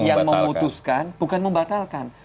yang memutuskan bukan membatalkan